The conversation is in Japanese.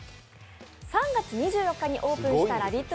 ３月２４日にオープンしたラヴィット！